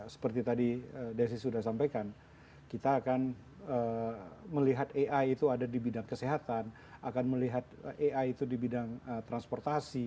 seperti tadi desi sudah sampaikan kita akan melihat ai itu ada di bidang kesehatan akan melihat ai itu di bidang transportasi